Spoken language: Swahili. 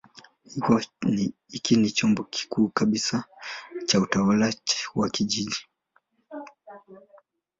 Hiki ni chombo kikuu kabisa cha utawala wa kijiji.